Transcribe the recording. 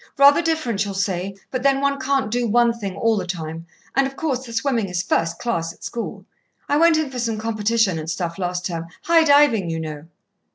Rather different, you'll say; but then one can't do one thing all the time, and, of course, the swimming is first class at school. I went in for some competition and stuff last term; high diving, you know."